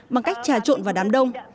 bằng cách trà trộn vào đám đông